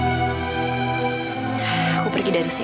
aku pergi dari sini